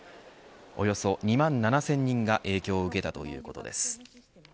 およそ２万７０００人が影響を受けたということです。